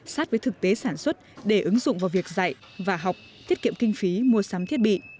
sát với thực tế sản xuất để ứng dụng vào việc dạy và học tiết kiệm kinh phí mua sắm thiết bị